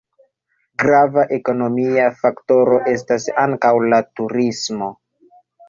Grava ekonomia faktoro estas ankaŭ la turismo.